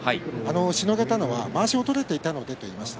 しのげたのは、まわしを取れていたので、と言いました。